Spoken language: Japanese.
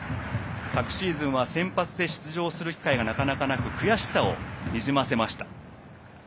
昨シーズンは先発で出場する機会がなかなかなく悔しさをにじませました。